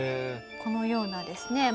このようなですね